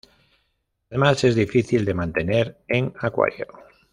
Además, es difícil de mantener en acuario.